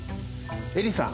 えりさん。